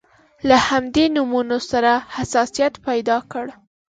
له همدې نومونو سره حساسیت پیدا کړ.